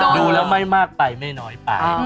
ดูแล้วไม่มากไปไม่น้อยไป